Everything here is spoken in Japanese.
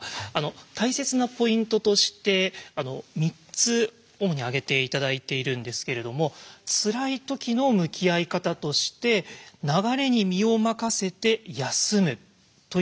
大切なポイントとして３つ主に挙げて頂いているんですけれどもツラいときの向き合い方として「流れに身を任せて休む」ということが大事なんですね。